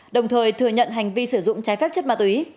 đồng thời thừa nhận hành vi sử dụng trái phép chất ma túy